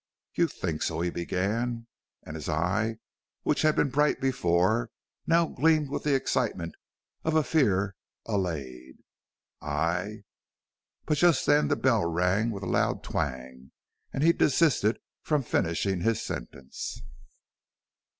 "You think so?" he began; and his eye, which had been bright before, now gleamed with the excitement of a fear allayed. "I " But just then the bell rang with a loud twang, and he desisted from finishing his sentence.